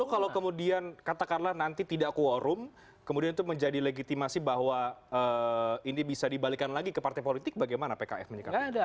lalu kalau kemudian kata karlan nanti tidak kuorum kemudian itu menjadi legitimasi bahwa ini bisa dibalikan lagi ke partai politik bagaimana pkf menyikapkan